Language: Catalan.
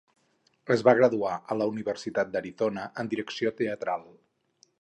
Es va graduar a la Universitat d'Arizona, en direcció teatral.